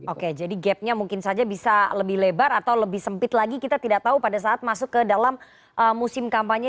oke jadi gapnya mungkin saja bisa lebih lebar atau lebih sempit lagi kita tidak tahu pada saat masuk ke dalam musim kampanye